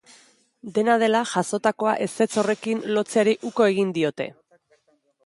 Dena dela, jazotakoa ezetz horrekin lotzeari uko egin diote.